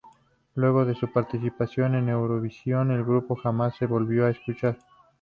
Luego de su participación en Eurovisión, el grupo jamás se volvió a escuchar.